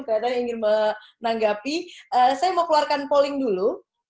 kelihatan ingin menanggapi saya mau keluarkan polling dulu